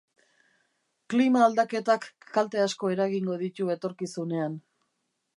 Klima-aldaketak kalte asko eragingo ditu etorkizunean